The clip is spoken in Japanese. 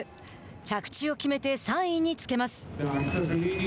着地を決めて３位につけます。